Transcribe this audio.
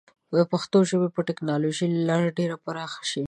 پښتو ژبه به د ټیکنالوجۍ له لارې ډېره پراخه شي.